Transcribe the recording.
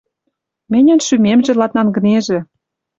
Мӹньӹн шӱмемжӹ ладнангнежӹ.